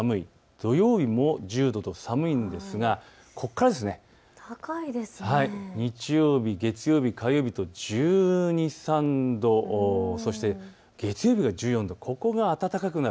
土曜日も１０度と寒いんですがここから日曜日、月曜日、火曜日と１２、１３度、そして月曜日が１４度、ここが暖かくなる。